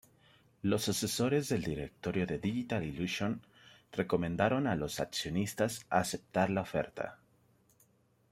Los asesores del directorio de Digital Illusions recomendaron a los accionistas aceptar la oferta.